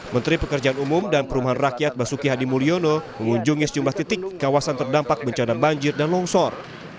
menteri pekerjaan umum dan perumahan rakyat basuki hadi mulyono mengunjungi sejumlah titik kawasan terdampak bencana banjir dan longsor